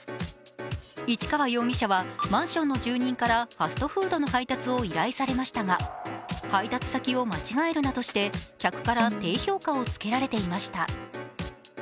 市川容疑者はマンションの住人からファストフードの配達を依頼されましたが、配達先を間違えるなどして客から低評価をつけられていました。